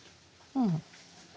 うん。